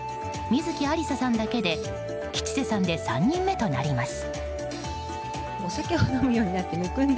観月ありささんだけで吉瀬さんで３人目となります。